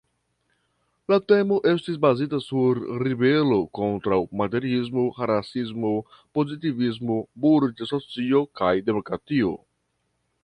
La temo estis bazita sur ribelo kontraŭ materiismo, raciismo, pozitivismo, burĝa socio kaj demokratio.